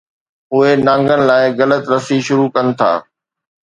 اهي نانگن لاءِ غلط رسي شروع ڪن ٿا.